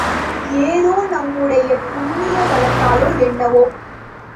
ஏதோ நம்முடைய புண்ணிய வசத்தாலோ என்னவோ?